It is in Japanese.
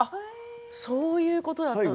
そういうことだったんですね。